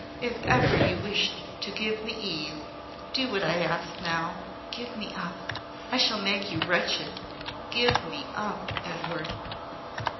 if ever you wished to give me ease, do what I ask now! Give me up! I shall make you wretched. Give me up, Edward!"